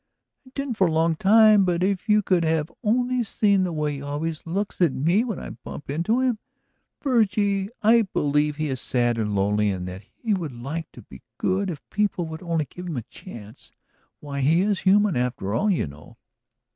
"I didn't for a long time. But if you could have only seen the way he always looks at me when I bump into him. Virgie, I believe he is sad and lonely and that he would like to be good if people would only give him the chance. Why, he is human, after all, you know."